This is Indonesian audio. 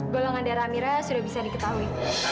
golongan darah mira sudah bisa diketahui